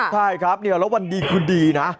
ใช่ครับแล้ววันดีคืนดีนะ